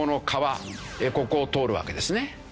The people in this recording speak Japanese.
ここを通るわけですね。